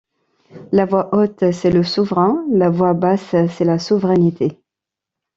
La voix haute, c’est le souverain ; la voix basse, c’est la souveraineté.